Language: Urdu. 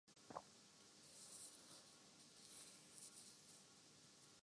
اس علاقے میں گاڑیوں کے پیچھے لٹکنا خطرناک ضرور ہے